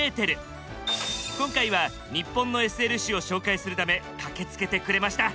今回はニッポンのＳＬ史を紹介するため駆けつけてくれました。